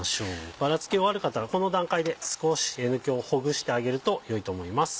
バラつき悪かったらこの段階で少しえのきをほぐしてあげるとよいと思います。